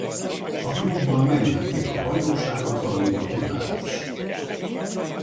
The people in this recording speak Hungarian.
A klubbal megnyerték a bajnokságot valamint a kupát is.